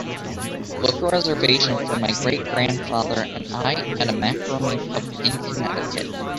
Book a reservation for my great grandfather and I at a macaroni pub in Connecticut